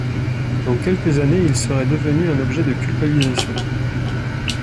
Dans quelques années, il serait devenu un objet de culpabilisation.